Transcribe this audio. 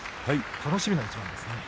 楽しみな一番ですね。